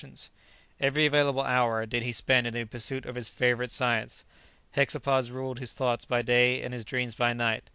] Every available hour did he spend in the pursuit of his favourite science: hexapods ruled his thoughts by day and his dreams by night.